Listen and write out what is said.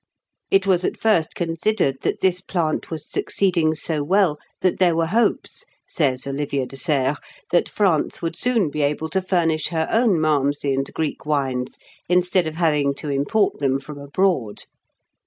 It was at first considered that this plant was succeeding so well, that "there were hopes," says Olivier de Serres, "that France would soon be able to furnish her own Malmsey and Greek wines, instead of having to import them from abroad."